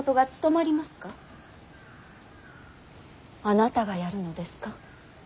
あなたがやるのですか。